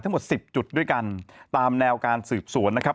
ทั้งหมด๑๐จุดด้วยกันตามแนวการสืบสวนนะครับ